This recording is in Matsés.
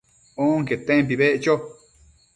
onquetempi beccho